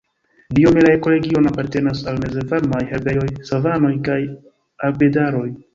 Biome la ekoregiono apartenas al mezvarmaj herbejoj, savanoj kaj arbedaroj.